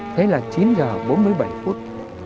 thế là chín giờ bốn mươi bảy phút